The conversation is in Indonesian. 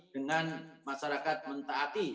dengan masyarakat mentaati